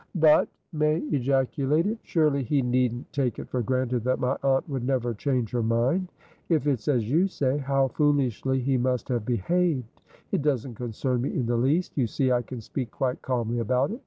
"But," May ejaculated, "surely he needn't take it for granted that my aunt would never change her mind. If it's as you say, how foolishly he must have behaved! It doesn't concern me in the least. You see I can speak quite calmly about it.